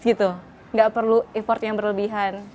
tidak perlu effort yang berlebihan